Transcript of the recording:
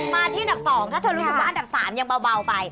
มาที่อันดับ๒ถ้าเธอรู้สึกว่าอันดับ๓ยังเบาไป